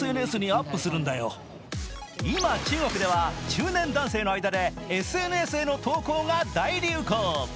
今、中国では中年男性の間でＳＮＳへの投稿が大流行。